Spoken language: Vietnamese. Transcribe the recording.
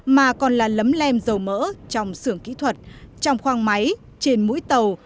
mà còn là lấm lem dầu mỡ trong xưởng kỹ thuật trong khoang máy trên mũi tàu